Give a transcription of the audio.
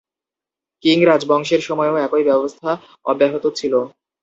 King রাজবংশের সময়ও একই ব্যবস্থা অব্যাহত ছিল।